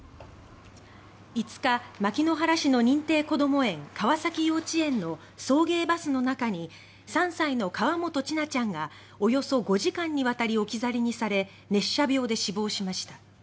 ５日、牧之原市の認定こども園川崎幼稚園の送迎バスの中に３歳の河本千奈ちゃんがおよそ５時間にわたり置き去りにされ熱射病で死亡しました。